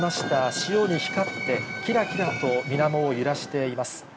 潮に光って、きらきらとみなもを揺らしています。